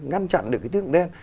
ngăn chặn được cái tín dụng đen